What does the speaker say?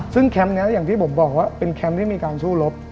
ซึ่งแคมป์นี้อย่างที่ผมบอกว่าเป็นแคมป์ที่มีการสู้รบ